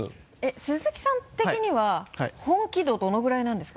鈴木さん的には本気度どのぐらいなんですか？